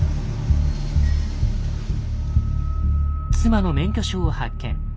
妻の免許証を発見。